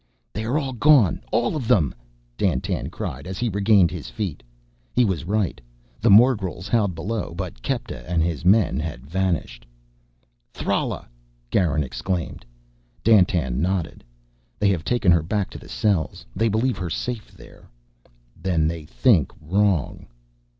"They are gone! All of them!" Dandtan cried, as he regained his feet. He was right; the morgels howled below, but Kepta and his men had vanished. "Thrala!" Garin exclaimed. Dandtan nodded. "They have taken her back to the cells. They believe her safe there." "Then they think wrong."